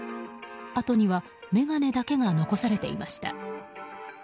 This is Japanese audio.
あとには眼鏡だけが残されていました。